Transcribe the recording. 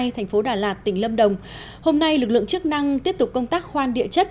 thành phố đà lạt tỉnh lâm đồng hôm nay lực lượng chức năng tiếp tục công tác khoan địa chất